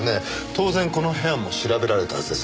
当然この部屋も調べられたはずです。